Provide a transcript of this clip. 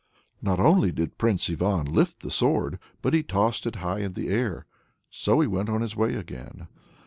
Not only did Prince Ivan lift the sword, but he tossed it high in the air. So he went on his way again.